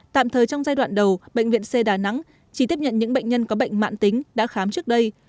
tạm thời trong giai đoạn đầu bệnh viện c đà nẵng chỉ tiếp nhận những bệnh nhân có bệnh mạng tính đã khám trước đây